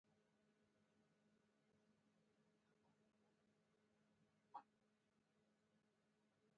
انار د دفاعي سیستم لپاره مهم دی.